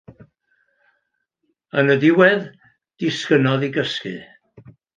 Yn y diwedd disgynnodd i gysgu.